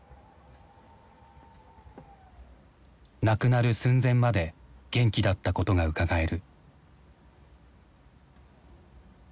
亡くなる寸前まで元気だったことがうかがえる。